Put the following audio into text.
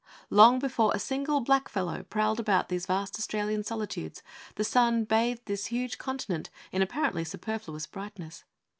Long before a single black fellow prowled about these vast Australian solitudes, the sun bathed this huge continent in apparently superfluous brightness.